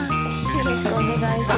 よろしくお願いします。